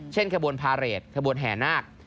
เช่นขบวนพาเรศขบวนแห่นาค